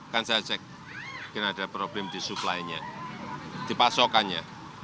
kan saya cek mungkin ada problem di supply nya di pasokannya